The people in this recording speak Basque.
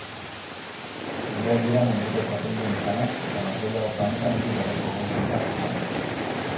Biak dira munduko txapeldun izanak eta norgehiagoka honetan hiru gerriko egongo dira jokoan.